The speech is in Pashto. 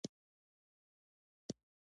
سلیمان غر د سیلګرۍ یوه برخه ده.